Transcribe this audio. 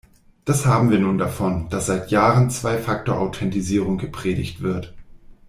Das haben wir nun davon, dass seit Jahren Zwei-Faktor-Authentisierung gepredigt wird.